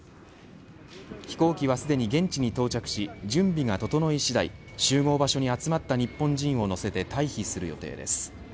飛行機はすでに現地に到着し準備が整い次第集合場所に集まった日本人を乗せて退避する予定です。